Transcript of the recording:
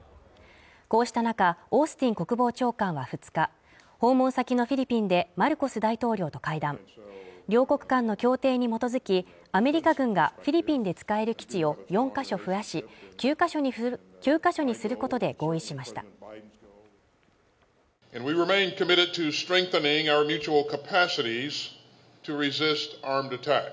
こうした中オースティン国防長官は２日訪問先のフィリピンでマルコス大統領と会談両国間の協定に基づきアメリカ軍がフィリピンで使える基地を４か所増やし９か所にすることで合意しましたえ